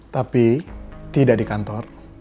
tapi tidak di kantor